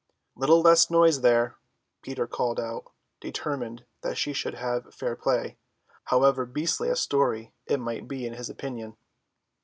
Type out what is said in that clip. "Little less noise there," Peter called out, determined that she should have fair play, however beastly a story it might be in his opinion.